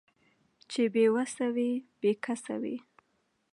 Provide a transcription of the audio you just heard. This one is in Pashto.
چې بې وسه وي بې کسه وي